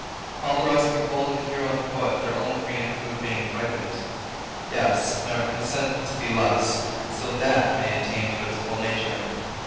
All the rest behold in the hero or the poet their own green and crude being, ripened; yes, and are content to be less, so that may attain to its full stature.